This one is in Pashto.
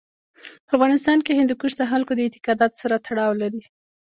په افغانستان کې هندوکش د خلکو د اعتقاداتو سره تړاو لري.